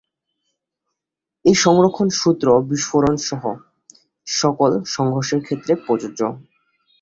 এই সংরক্ষণ সূত্র বিস্ফোরণ সহ সকল সংঘর্ষের ক্ষেত্রে প্রযোজ্য।